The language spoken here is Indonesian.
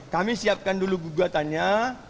kami siapkan dulu gugatannya